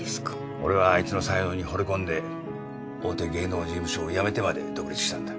俺はアイツの才能にほれ込んで大手芸能事務所を辞めてまで独立したんだ。